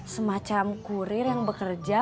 semacam kurir yang bekerja